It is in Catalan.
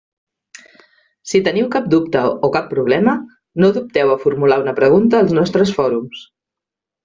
Si teniu cap dubte o cap problema, no dubteu a formular una pregunta als nostres fòrums.